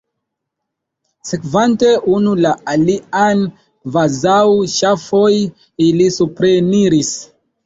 Sekvante unu la alian kvazaŭ ŝafoj, ili supreniris.